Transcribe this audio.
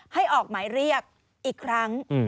ออกหมายเรียกอีกครั้ง